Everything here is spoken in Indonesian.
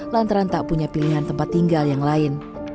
lantaran tak punya pilihan tempat tinggal yang lain